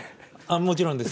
もちろんです。